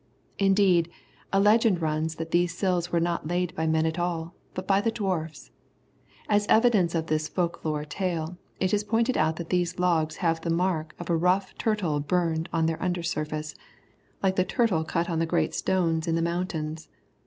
Indeed, a legend runs that these sills were not laid by men at all, but by the Dwarfs. As evidence of this folklore tale, it is pointed out that these logs have the mark of a rough turtle burned on their under surface like the turtle cut on the great stones in the mountains.